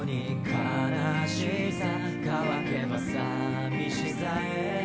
かなしさ乾けばさみしさへ